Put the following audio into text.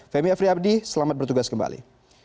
femi afriadi selamat bertugas kembali